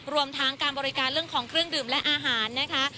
รวมทั้งการบริการเรื่องของเครื่องดื่มและอาหารนะคะ